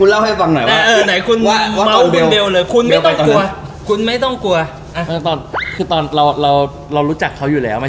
ว่าทักความรู้ความรู้ว่าคุณเบลหรือ